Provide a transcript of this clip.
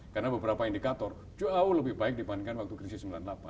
karena beberapa indikator jauh lebih baik dibandingkan waktu krisis sembilan puluh delapan